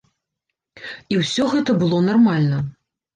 І ўсё гэта было нармальна.